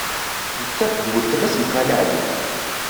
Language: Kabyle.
Nettat d weltma-s n Xali Ɛli.